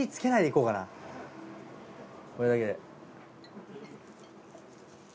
これだけで。